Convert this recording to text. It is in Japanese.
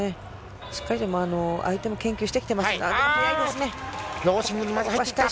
しっかりと相手も研究してきてますから。